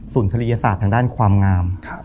ศูนย์ศรียศาสตร์ทางด้านความงาม